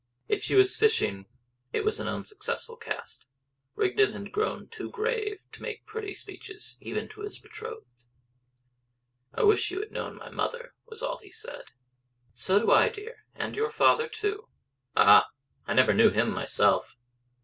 If she was fishing it was an unsuccessful cast. Rigden had grown too grave to make pretty speeches even to his betrothed. "I wish you had known my mother," was all he said. "So do I, dear, and your father too." "Ah! I never knew him myself."